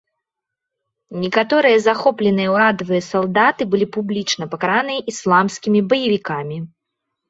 Некаторыя захопленыя ўрадавыя салдаты былі публічна пакараныя ісламскімі баевікамі.